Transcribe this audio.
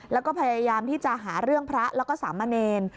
แล้วก็พยายามที่จะหาเรื่องพระแล้วก็สามเณร